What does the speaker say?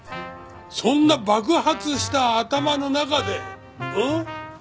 そんな爆発した頭の中でん？